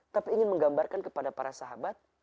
tapi ingin menggambarkan kepada para sahabat